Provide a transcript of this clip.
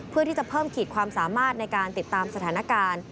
เพื่อที่จะเพิ่มขีดความสามารถในการติดตามสถานการณ์